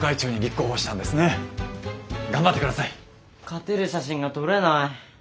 勝てる写真が撮れない。